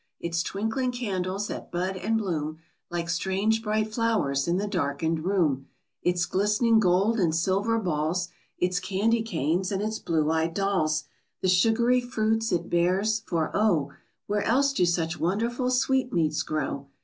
Its twinkling candles that bud and bloom Like strange bright flowers in the darkened room, Its glistening gold and silver balls, Its candy canes and its blue eyed dolls, The sugary fruits it bears, for oh, Where else do such wonderful sweetmeats grow?